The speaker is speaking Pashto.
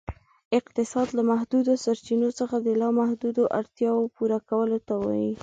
اقتصاد ، له محدودو سرچینو څخه د لا محدودو اړتیاوو پوره کولو ته وایي.